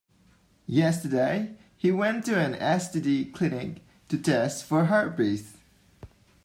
Yesterday, he went to an STD clinic to test for herpes.